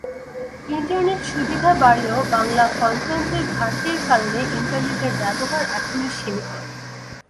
Internet সুবিধা বাড়লেও বাংলা কনটেন্টের ঘাটতির কারণে ইন্টারনেটের ব্যবহার এখনও সীমীত।